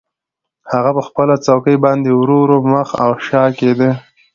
هغه په خپله څوکۍ باندې ورو ورو مخ او شا کیده